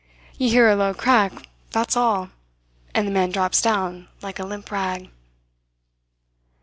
You hear a low crack, that's all and the man drops down like a limp rag."